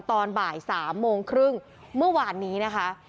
ตอนบ่าย๓โมงครึ่งเมื่อวานนี้นะคะ